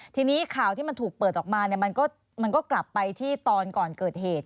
ทีนี้ข่าวที่มันถูกเปิดออกมามันก็กลับไปที่ตอนก่อนเกิดเหตุ